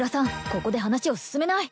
ここで話を進めない！